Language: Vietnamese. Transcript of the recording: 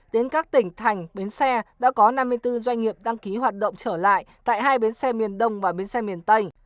đến các tỉnh thành bến xe đã có năm mươi bốn doanh nghiệp đăng ký hoạt động trở lại tại hai bến xe miền đông và bến xe miền tây